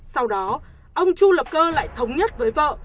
sau đó ông chu lập cơ lại thống nhất với vợ